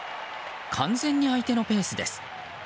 完全に相手のペースです。